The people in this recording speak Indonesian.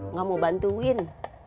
nggak mau bantuin